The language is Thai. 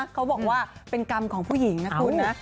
เขาบอกว่าเป็นกรรมของผู้หญิงนะคุณนะ